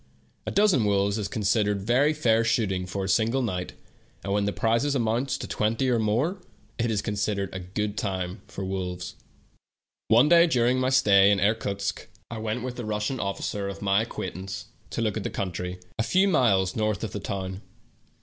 A dozen wolves is con sidered very fair shooting for a single night, and when the prizes amount to twenty or more, it is considered a good time for wolves. One day during my stay in Irkutsk I w^ent with a Russian officer of my acquaintance to look at the country, a few miles north of the town.